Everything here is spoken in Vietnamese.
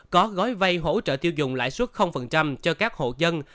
có gói vay hỗ trợ tiêu dùng lãi suất cho các hộ dân